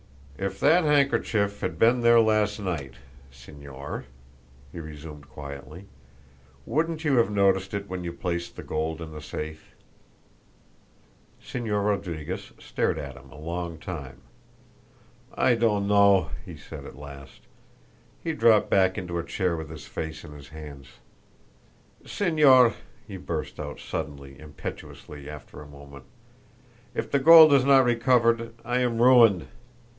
"If that handkerchief had been there last night, Señor," he resumed quietly, "wouldn't you have noticed it when you placed the gold in the safe?" Señor Rodriguez stared at him a long time. "I don't know," he said, at last. He dropped back into a chair with his face in his hands. "Señor," he burst out suddenly, impetuously, after a moment, "if the gold is not recovered I am ruined.